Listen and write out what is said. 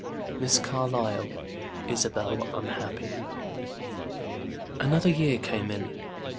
MISS CARLYLE ISABEL UNHAPPY. Another year came in.